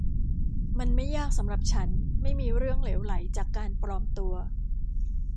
มันไม่ยากสำหรับฉันไม่มีเรื่องเหลวไหลจากการปลอมตัว